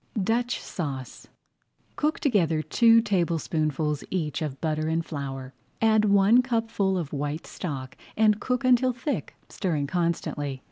DUTCH SAUCE Cook together two tablespoonfuls each of butter and flour, add one cupful of white stock, and cook until thick, stirring constantly.